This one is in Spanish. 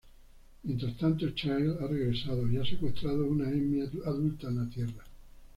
Mientras tanto Child ha regresado y ha secuestrado una Emmy adulta en la Tierra.